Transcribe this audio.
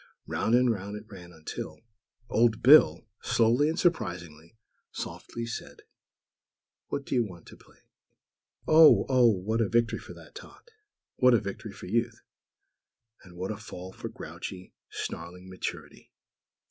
Round and round it ran, until, (!!) Old Bill, slowly and surprisingly softly, said: "What do you want to play?" Oh! Oh! what a victory for that tot!! What a victory for Youth!! And what a fall for grouchy, snarling Maturity!!